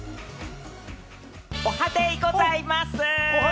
おはデイございます！